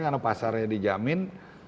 karena pasarnya dijamin